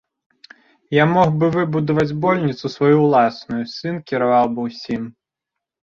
Я мог бы выбудаваць больніцу сваю ўласную, сын кіраваў бы ўсім.